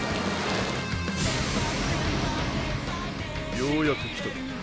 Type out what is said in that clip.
ようやく来たか！